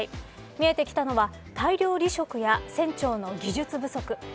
見えてきたのは大量離職や船長の技術不足。